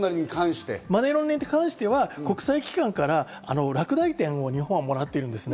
マネーロンダリングに関しては国際機関から落第点を日本はもらっているんです。